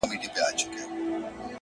o اې د ویدي د مست سُرود او اوستا لوري؛